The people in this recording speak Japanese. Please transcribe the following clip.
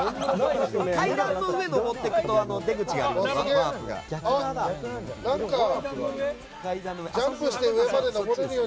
階段の上を上っていくと出口があるよ。